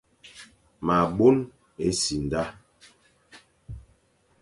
Ma bôn-e-simda,